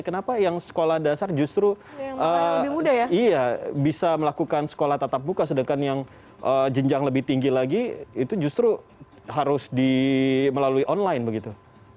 kenapa yang sekolah dasar justru bisa melakukan sekolah tatap muka sedangkan yang jenjang lebih tinggi lagi itu justru harus melalui online begitu